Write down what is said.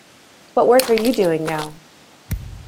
What work are you doing now?